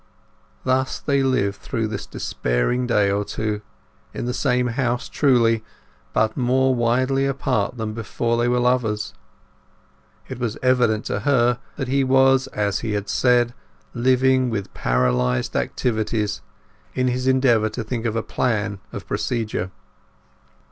Thus they lived through this despairing day or two; in the same house, truly; but more widely apart than before they were lovers. It was evident to her that he was, as he had said, living with paralyzed activities in his endeavour to think of a plan of procedure.